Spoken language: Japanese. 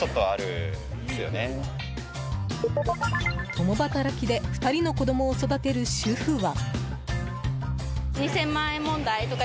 共働きで２人の子供を育てる主婦は。